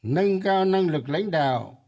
nâng cao năng lực lãnh đạo